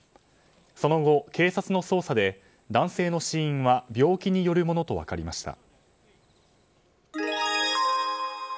その後、警察の捜査で男性の死因は病気によるものと分かりました。